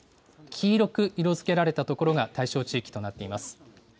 黄色く色づけられた所が対象地域となっています。